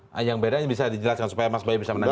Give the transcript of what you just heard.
nah yang bedanya bisa dijelaskan supaya mas bayu bisa menangga